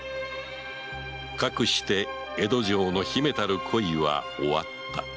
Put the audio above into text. かくして江戸城の秘めたる恋は終わった